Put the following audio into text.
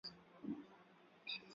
Wanze kuji shikiria buluma wemoya kwa